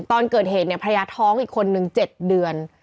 ตอนเกิดเหตุเนี่ยภรรยาท้องอีกคนนึง๗เดือน